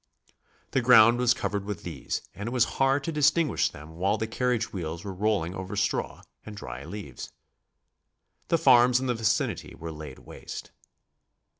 The ground was covered with these and it was hard to distinguish them while the carriage wheels were rolling over straw and dry leaves. The farms in the vicinity were laid waste.